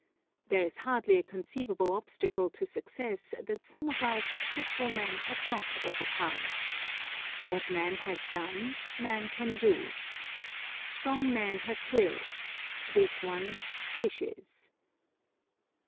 There is hardly a conceivable obstacle to success that some of our successful men have not overcome: "What man has done, man can do." "Strong men have wills; weak ones, wishes."